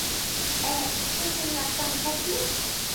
Ә һеҙҙең яҡтан күпме?